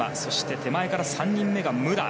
手前から３人目が武良。